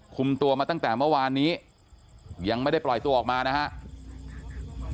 คุมตัวมาตั้งแต่เมื่อวานนี้ยังไม่ได้ปล่อยตัวออกมานะครับ